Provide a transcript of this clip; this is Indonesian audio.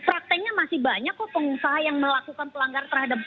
prakteknya masih banyak kok pengusaha yang melakukan pelanggaran terhadap